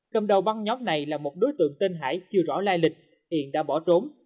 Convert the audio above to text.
cầm đầu băng nhóm này là một đối tượng tên hải chưa rõ lai lịch hiện đã bỏ trốn